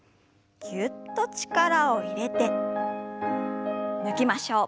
ぎゅっと力を入れて抜きましょう。